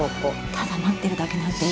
ただ待ってるだけなんて嫌。